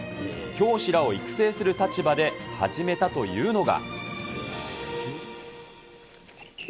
教師らを育成する立場で、始めたというのが。